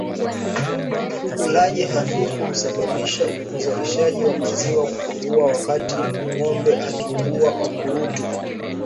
Ulaji hafifu husababisha uzalishaji wa maziwa kupungua wakati ngombe akiugua ukurutu